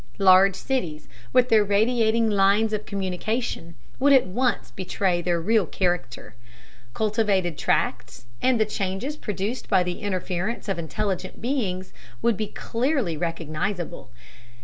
Large cities, with their radiating lines of communication, would at once betray their real character. Cultivated tracts, and the changes produced by the interference of intelligent beings, would be clearly recognizable.